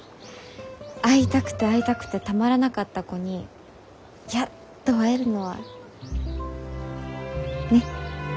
会いたくて会いたくてたまらなかった子にやっと会えるのはねっ。